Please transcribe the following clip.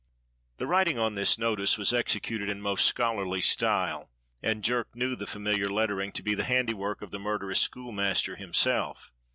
The writing on this notice was executed in most scholarly style, and Jerk knew the familiar lettering to be the handiwork of the murderous schoolmaster himself.